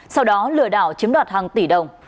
sau đó lừa đảo chiếm đoạt hàng tỷ đồng